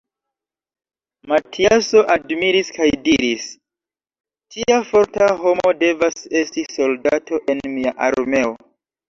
Matiaso admiris kaj diris: Tia forta homo devas esti soldato en mia armeo.